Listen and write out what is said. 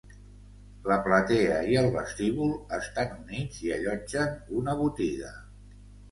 La platea i el vestíbul estan units i allotgen una botiga.